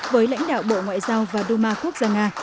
với lãnh đạo bộ ngoại giao và duma quốc gia nga